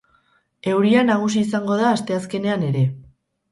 Euria nagusi izango da asteazkenean ere.